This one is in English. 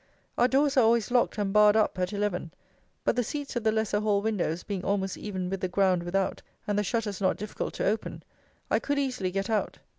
Our doors are always locked and barred up at eleven; but the seats of the lesser hall windows being almost even with the ground without, and the shutters not difficult to open, I could easily get out.